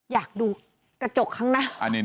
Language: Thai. อยากดูกระจกข้างหน้า